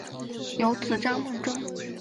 有子张孟中。